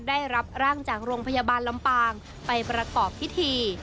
ได้รับร่างจากโรงพยาบาลลำปางไปประกอบพิธี